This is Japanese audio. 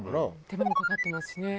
手間もかかってますしね。